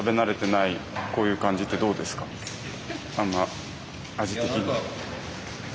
あんま味的に。